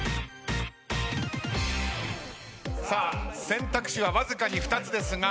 選択肢はわずかに２つですが。